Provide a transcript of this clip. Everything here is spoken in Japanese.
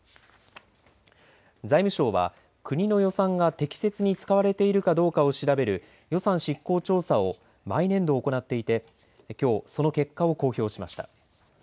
財務省は国の予算が適切に使われているかどうかを調べる予算執行調査を毎年度行っていて、きょうその結果を公表しました。